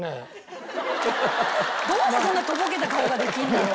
どうしてそんなとぼけた顔ができるんだろう？